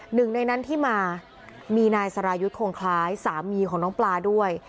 หนึ่งในนั้นที่มามีนายสรายุทธ์คงคล้ายสามีของน้องปลาด้วย